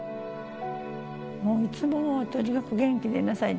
もう、いつもとにかく元気でいなさい。